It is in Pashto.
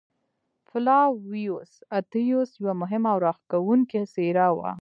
فلاویوس اتیوس یوه مهمه او راښکوونکې څېره وه.